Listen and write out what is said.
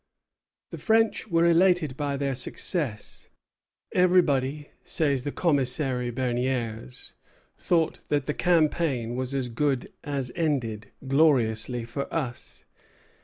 The French were elated by their success. "Everybody," says the commissary Berniers, "thought that the campaign was as good as ended, gloriously for us."